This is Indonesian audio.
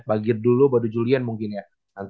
banjir dulu baru julian mungkin ya